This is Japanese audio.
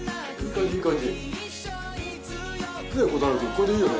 これでいいよね？